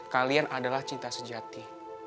kalian adalah cinta sejati